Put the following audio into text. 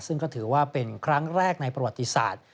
ซึ่งก็ถือว่าเป็นครั้งแรกในประวัติศาสตร์